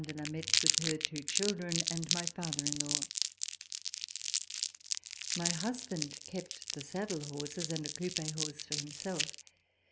de Lameth, her two children and my father in law. My husband kept the saddle horses and a coupe horse for himself.